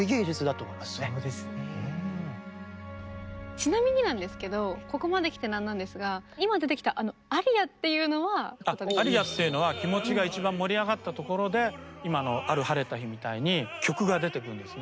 ちなみになんですけどここまできて何なんですが今出てきたアリアっていうのは気持ちが一番盛り上がったところで今の「ある晴れた日に」みたいに曲が出てくるんですね。